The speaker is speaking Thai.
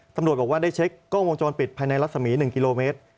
ตำรวจบอกว่าได้เช็คกล้องวงจรปิดภายในรัศมี๑กิโลเมตร